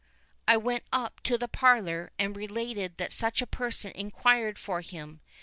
"I went up to the parlour, and related that such a person enquired for him.